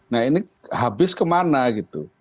nah ini habis kemana gitu